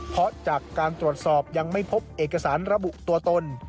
เพราะจากการตรวจสอบยังไม่พบเอกสารระบุตัวตน